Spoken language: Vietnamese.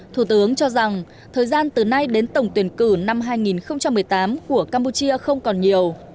thủ tướng cho rằng thời gian từ nay đến tổng tuyển cử năm hai nghìn một mươi tám của campuchia không còn nhiều